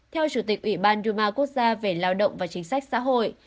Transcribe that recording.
theo chủ tịch ủy ban duma quốc gia về lao động và chính sách xã hội